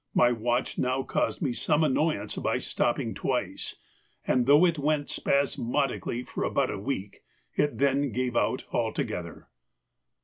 My watch now caused me some annoyance by stopping twice, and though it went spasmodically for about a week, it then gave out altogether.